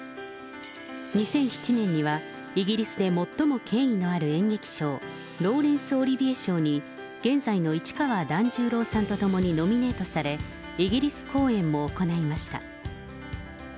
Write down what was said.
２００７年にはイギリスで最も権威のある演劇賞、ローレンス・オリビエ賞に現在の市川團十郎さんと共にノミネートされ、イギリス公演も行いました。